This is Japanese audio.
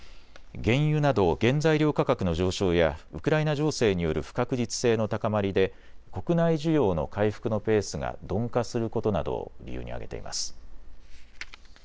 原油など原材料価格の上昇やウクライナ情勢による不確実性の高まりで国内需要の回復のペースが鈍化することなどを理由に挙げています。